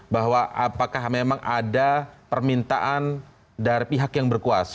bahwa apakah memang ada permintaan dari pihak yang berkuasa